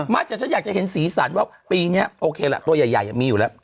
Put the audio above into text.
แต่ฉันอยากจะเห็นสีสันว่าปีนี้โอเคล่ะตัวใหญ่มีอยู่แล้ว